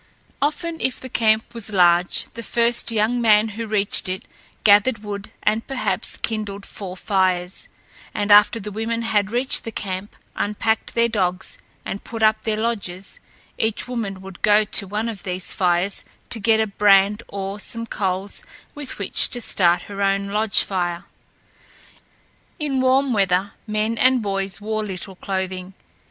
Often, if the camp was large, the first young men who reached it gathered wood and perhaps kindled four fires, and after the women had reached the camp, unpacked their dogs, and put up their lodges, each woman would go to one of these fires to get a brand or some coals with which to start her own lodge fire. In warm weather men and boys wore little clothing.